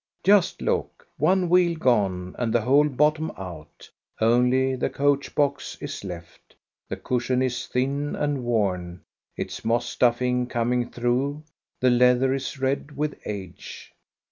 Just look ; one wheel gone, and the whole bottom out! Only the coach box is left. The cushion is thin and worn, its moss stuffing coming through, the leather is red with age.